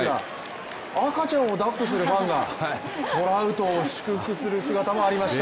赤ちゃんをだっこするファンがトラウトを祝福するシーンもありました。